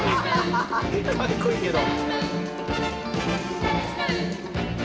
かっこいいけど。